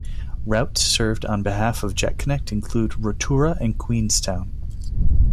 Routes served on behalf of Jetconnect included Rotorua and Queenstown.